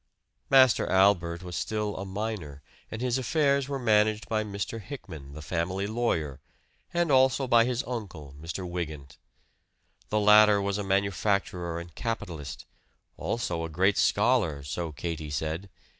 Master Albert was still a minor, and his affairs were managed by Mr. Hickman, the family lawyer, and also by his uncle, Mr. Wygant. The latter was a manufacturer and capitalist also a great scholar, so Katie said.